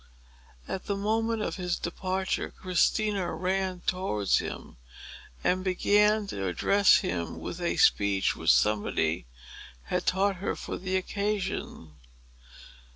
At the moment of his departure Christina ran towards him, and began to address him with a speech which somebody had taught her for the occasion.